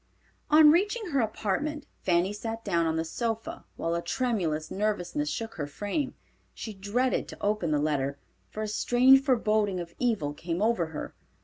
On reaching her apartment, Fanny sat down on the sofa, while a tremulous nervousness shook her frame. She dreaded to open the letter, for a strange forboding of evil came over her.